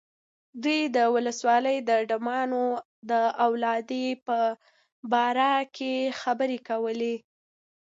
دوی د ولسوالۍ د ډمانو د اولادې په باره کې خبرې کولې.